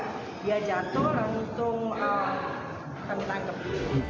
dia jatuh langsung kami tangkap